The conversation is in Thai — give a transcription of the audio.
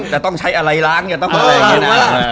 จะต้องใช้อะไรล้างอย่าต้องอะไรแบบนี้นะ